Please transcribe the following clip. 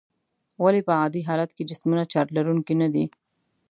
ولې په عادي حالت کې جسمونه چارج لرونکي ندي؟